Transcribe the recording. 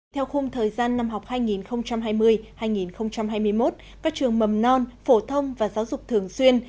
theo khung thời gian năm học hai nghìn hai mươi hai nghìn hai mươi một các trường mầm non phổ thông và giáo dục thường xuyên